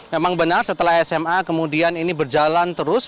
memang benar setelah sma kemudian ini berjalan terus